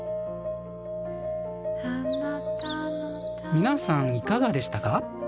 皆さんいかがでしたか？